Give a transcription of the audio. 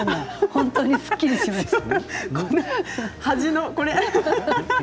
本当にすっきりしました。